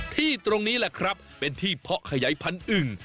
ที่ตรงนี้แหละครับเป็นที่เพาะขยายพันธุ์อึ่ง